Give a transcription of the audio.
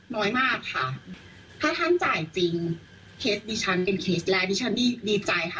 น้อยมากค่ะถ้าท่านจ่ายจริงเคสดิฉันเป็นเคสแรกดิฉันดีใจค่ะ